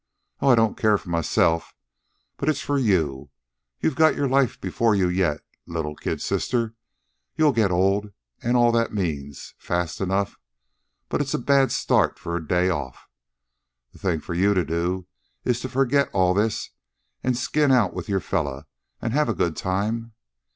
"Oh, I don't care for myself. But it's for you. You got your life before you yet, little kid sister. You'll get old, and all that means, fast enough. But it's a bad start for a day off. The thing for you to do is to forget all this, and skin out with your fellow, an' have a good time."